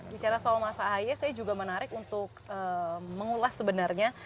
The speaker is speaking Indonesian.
bicara soal mas ahaye saya juga menarik untuk mengulas sebenarnya